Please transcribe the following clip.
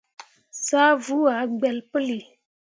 Zah vuu ah gbelle puli.